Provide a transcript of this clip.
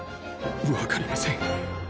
分かりません。